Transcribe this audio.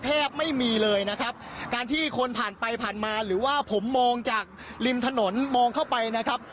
แทบไม่มีเลยนะครับการที่คนผ่านไปผ่านมาหรือว่าผมมองจากริมถนนมองเข้าไปนะครับ